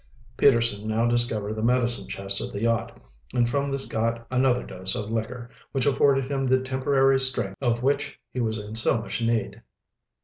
Peterson now discovered the medicine chest of the yacht, and from this got another dose of liquor, which afforded him the temporary strength of which he was in so much need.